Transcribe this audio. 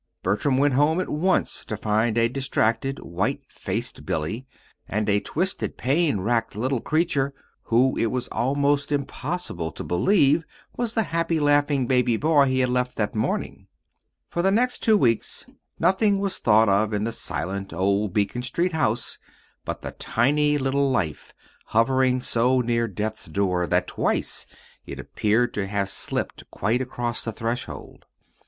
Bertram went home at once to find a distracted, white faced Billy, and a twisted, pain racked little creature, who it was almost impossible to believe was the happy, laughing baby boy he had left that morning. For the next two weeks nothing was thought of in the silent old Beacon Street house but the tiny little life hovering so near Death's door that twice it appeared to have slipped quite across the threshold.